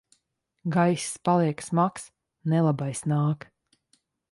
Gaiss paliek smags. Nelabais nāk!